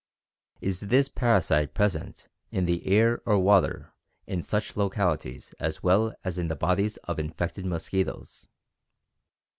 Is this parasite present in the air or water in such localities as well as in the bodies of infected mosquitoes?